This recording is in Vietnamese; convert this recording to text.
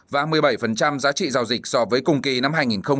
và một mươi bảy giá trị giao dịch so với cùng kỳ năm hai nghìn một mươi chín